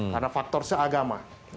karena faktor seagama